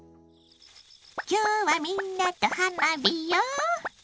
今日はみんなと花火よ。